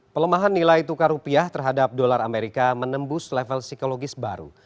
pelemahan nilai tukar rupiah terhadap dolar amerika menembus level psikologis baru